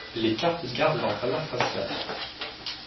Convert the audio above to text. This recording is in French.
Les cartes gardent leurs valeurs faciales.